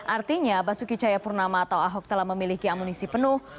artinya basuki cahayapurnama atau ahok telah memiliki amunisi penuh